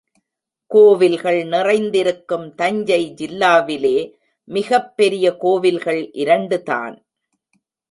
கோவில்கள் நிறைந்திருக்கும் தஞ்சை ஜில்லாவிலே மிகப் பெரிய கோவில்கள் இரண்டு தான்.